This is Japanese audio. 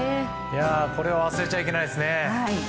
これは忘れちゃいけないですね。